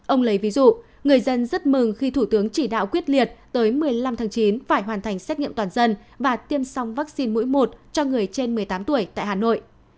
ông lấy ví dụ người dân rất mừng khi thủ tướng chỉ đạo quyết liệt tới một mươi năm tháng chín phải hoàn thành xét nghiệm toàn dân và tiêm xong vaccine mũi một cho người trên một mươi tám tuổi tại hà nội